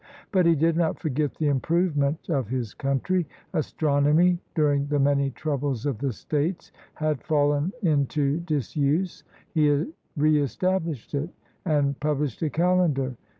But he did not forget the improvement of his country. Astronomy, during the many troubles of the states, had fallen into disuse ; he reestabhshed it, and published a calendar.